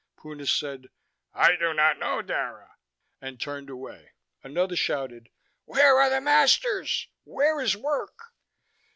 Puna said: "I do not know Dara," and turned away. Another shouted: "Where are the masters? Where is work?"